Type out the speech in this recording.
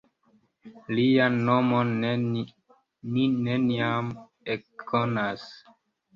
Lian nomon ni neniam ekkonas.